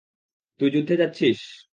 তুই যুদ্ধে যাচ্ছিস?